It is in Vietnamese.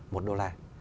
một đô la